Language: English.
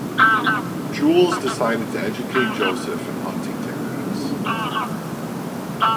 Jules decides to educate Joseph in hunting techniques.